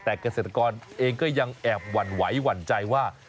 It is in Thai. แต่เกษตรกรเองก็ยังแอบหวั่นไหวหวั่นใจว่า